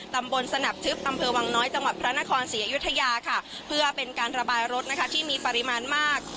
ตำบลสนับทึบก็เป็นการระบายรถนะคะที่มีปริมาณมาก